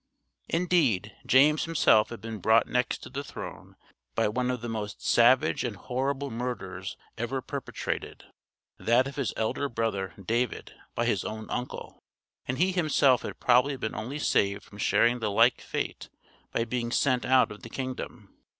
Indeed, James himself had been brought next to the throne by one of the most savage and horrible murders ever perpetrated that of his elder brother, David, by his own uncle; and he himself had probably been only saved from sharing the like fate by being sent out of the kingdom.